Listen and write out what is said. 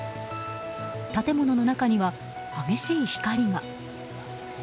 建物の中には激しい光が。